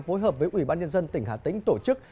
phối hợp với ủy ban nhân dân tỉnh hà tĩnh tổ chức